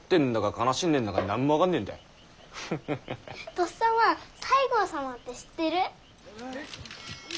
とっさま西郷様って知ってる？